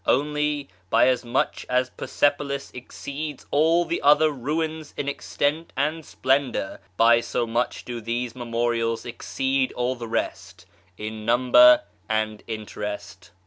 Only, by as much as Persepolis exceeds all tlie other ruins in extent and splendour, by so much do these memorials exceed all the rest in number and interest.